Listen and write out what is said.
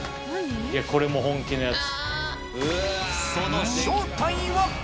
これも本気のやつ。